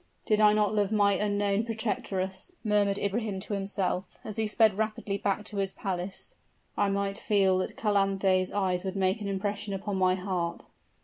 "Did I not love my unknown protectress," murmured Ibrahim to himself, as he sped rapidly back to his palace, "I feel that Calanthe's eyes would make an impression upon my heart."